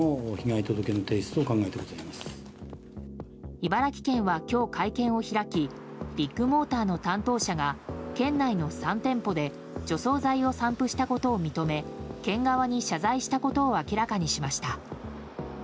茨城県は今日、会見を開きビッグモーターの担当者が県内の３店舗で除草剤を散布したことを認め県側に謝罪したことを明らかにしました。